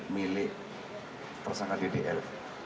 milik persangka ddl